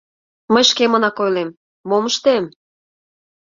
Мый шкемынак ойлем: мом ыштем?